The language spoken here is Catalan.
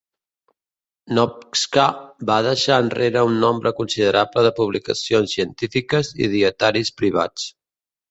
Nopcsa va deixar enrere un nombre considerable de publicacions científiques i dietaris privats.